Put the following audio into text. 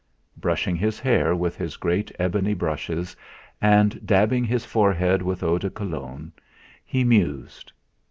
Brushing his hair with his great ebony brushes, and dabbing his forehead with eau de Cologne, he mused.